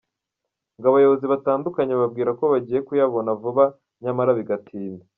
Ngo abayobozi batandukanye bababwira ko bagiye kuyabona vuba nyamara bigatinda.